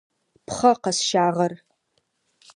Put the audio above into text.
Пхъэ къэсщагъэр.